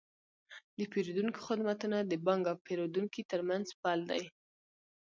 د پیرودونکو خدمتونه د بانک او پیرودونکي ترمنځ پل دی۔